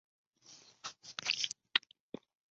巴尔罗特卡米。